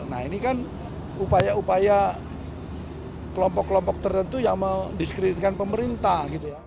nah ini kan upaya upaya kelompok kelompok tertentu yang mendiskreditkan pemerintah gitu ya